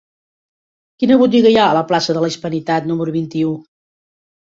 Quina botiga hi ha a la plaça de la Hispanitat número vint-i-u?